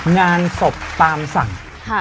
งานศพตามสั่ง